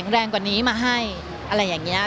ร่างกายที่พร้อมแข็งแรงกว่านี้มาให้